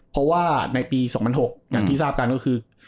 เพราะว่าในปี๒๐๐๖อย่างที่ทราบกันก็คือ